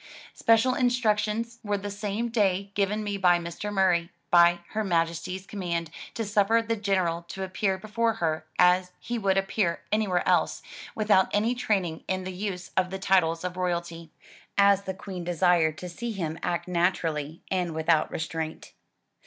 Special in structions were the same day given me by Mr. Murray, by Her Majesty's command, to suffer the General to appear before her as he would appear anywhere else, without any training in the use of the titles of royalty, as the Queen desired to see him act naturally and without restraint.